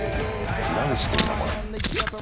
何してんだこれ。